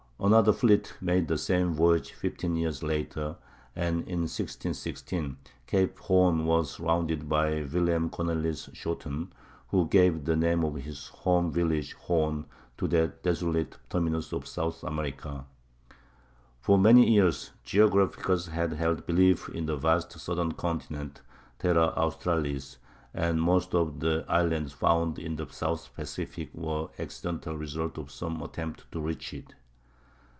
Another fleet made the same voyage fifteen years later; and in 1616 Cape Horn was rounded by Willem Cornelis Schouten, who gave the name of his home village, Hoorn, to that desolate terminus of South America. For many years geographers had held belief in a vast "southern continent,"—Terra Australis,—and most of the islands found in the South Pacific were accidental results of some attempt to reach it.